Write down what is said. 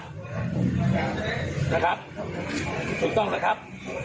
นะครับถูกต้องนะครับ